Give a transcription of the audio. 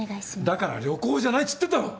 だから旅行じゃないつってんだろ！